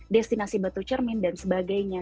destinasi batu cermin dan sebagainya